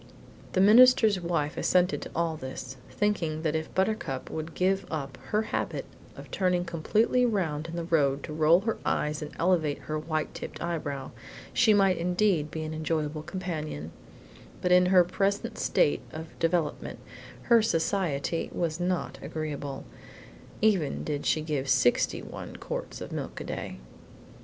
The minister's wife assented to all this, thinking that if Buttercup would give up her habit of turning completely round in the road to roll her eyes and elevate her white tipped eyebrow, she might indeed be an enjoyable companion; but in her present state of development her society was not agreeable, even did she give sixty one quarts of milk a day.